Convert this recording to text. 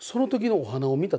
お花を見て？